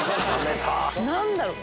何だろう？